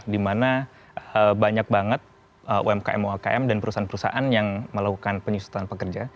di mana banyak banget umkm umkm dan perusahaan perusahaan yang melakukan penyusutan pekerja